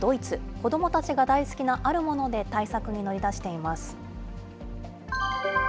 子どもたちが大好きなあるもので対策に乗り出しています。